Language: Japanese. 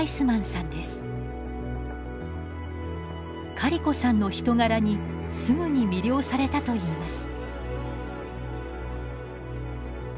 カリコさんの人柄にすぐに魅了されたといいます。